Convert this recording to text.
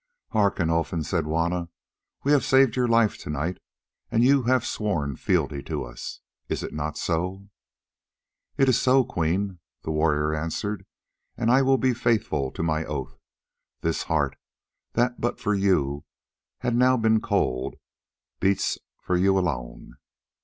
"Hearken, Olfan," said Juanna, "we have saved your life to night and you have sworn fealty to us; is it not so?" "It is so, Queen," the warrior answered. "And I will be faithful to my oath. This heart, that but for you had now been cold, beats for you alone.